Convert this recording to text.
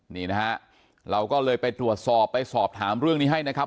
นี่นะฮะเราก็เลยไปตรวจสอบไปสอบถามเรื่องนี้ให้นะครับ